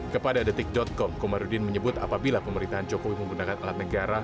kepada detik com komarudin menyebut apabila pemerintahan jokowi menggunakan alat negara